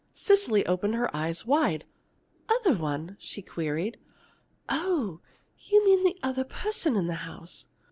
Cecily opened her eyes wide. "Other one?" she queried. "Oh, you mean the other person in the house?"